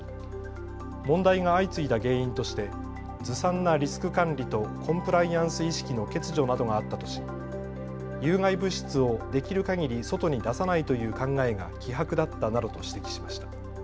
問題が相次いだ原因としてずさんなリスク管理とコンプライアンス意識の欠如などがあったとし、有害物質をできるかぎり外に出さないという考えが希薄だったなどと指摘しました。